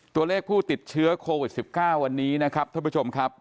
ตัวเลขผู้ติดเชื้อโควิด๑๙วันนี้นะครับท่านผู้ชมครับ